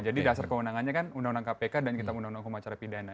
jadi dasar kewenangannya kan undang undang kpk dan kita undang undang kemahacara pidana